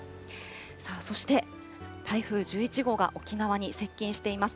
さあそして、台風１１号が沖縄に接近しています。